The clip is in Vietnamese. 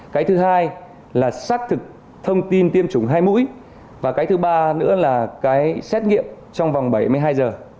các thông tin tiêm chủng hai mũi và cái thứ ba nữa là cái xét nghiệm trong vòng bảy mươi hai giờ